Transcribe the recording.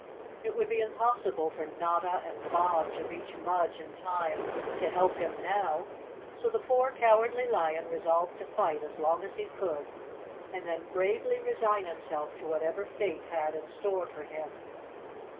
It would be impossible for Notta and Bob to reach Mudge in time to help him now, so the poor Cow¬ ardly Lion resolved to fight as long as he could, and then bravely resign himself to whatever fate had in store for him.